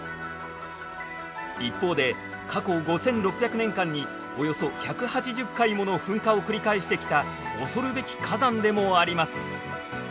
一方で過去５，６００年間におよそ１８０回もの噴火を繰り返してきた恐るべき火山でもあります。